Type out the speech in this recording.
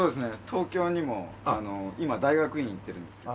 東京にも今大学院行ってるんですけど。